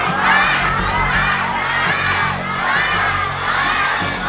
ไทย